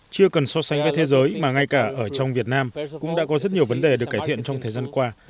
chưa cần so sánh với thế giới mà ngay cả ở trong việt nam cũng đã có rất nhiều vấn đề được cải thiện trong thời gian qua